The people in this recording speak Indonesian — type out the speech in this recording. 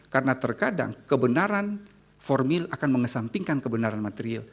karena terkadang kebenaran formil akan mengesampingkan kebenaran material